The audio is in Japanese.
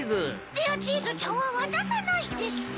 「レアチーズちゃんはわたさない」ですって？